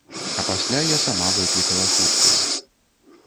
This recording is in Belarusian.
А пасля я сама выклікала хуткую.